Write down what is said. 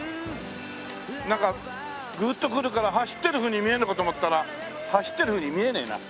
なんかグッと来るから走ってるふうに見えるのかと思ったら走ってるふうに見えねえな。